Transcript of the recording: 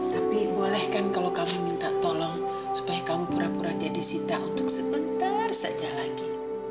tapi boleh kan kalau kamu minta tolong supaya kamu pura pura jadi sita untuk sebentar saja lagi